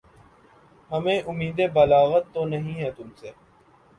ہمیں اُمیدِ بلاغت تو نہیں ہے تُم سے